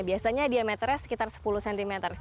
biasanya diameternya sekitar sepuluh cm